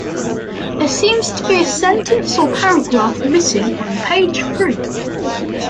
There seems to be a sentence or paragraph missing on page three.